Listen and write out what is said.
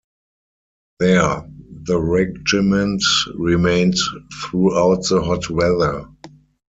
There the regiment remained throughout the hot weather.